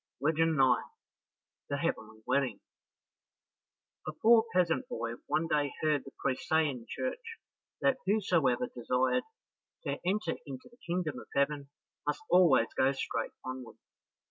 Legend 9 The Heavenly Wedding A poor peasant boy one day heard the priest say in church that whosoever desired to enter into the kingdom of heaven must always go straight onward.